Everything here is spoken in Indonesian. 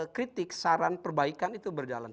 kritik saran perbaikan itu berjalan